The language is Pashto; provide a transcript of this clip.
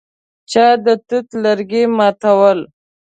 چا د توت لرګي ماتول.